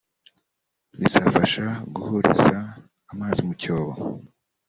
bizafasha guhuriza amazi mu cyobo